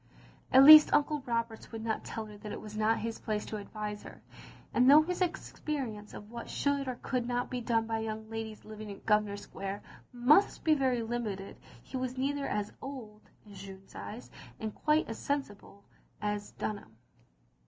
At least Uncle Roberts would not tell her that it was not his place to advise her; and though his experience of what should or could be done by young ladies living in Grosvenor Square must be very limited he was nearly as old (in Jeanne's eyes), and quite as sensible as Dunham.